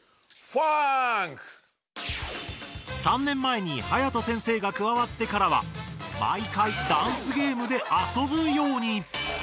３年前にはやと先生が加わってからは毎回ダンスゲームであそぶように。